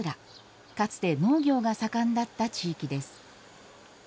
かつて農業が盛んだった地域です。